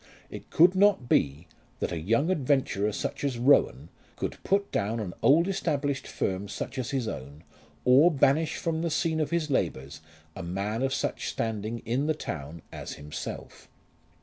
It could not be that a young adventurer such as Rowan could put down an old established firm, such as his own, or banish from the scene of his labours a man of such standing in the town as himself!